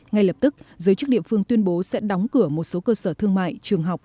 ngay lập tức giới chức địa phương tuyên bố sẽ đóng cửa một số cơ sở thương mại trường học